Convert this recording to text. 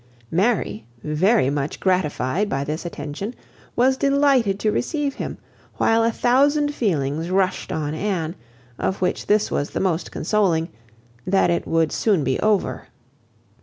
Mary, very much gratified by this attention, was delighted to receive him, while a thousand feelings rushed on Anne, of which this was the most consoling, that it would soon be over.